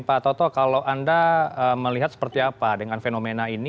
pak toto kalau anda melihat seperti apa dengan fenomena ini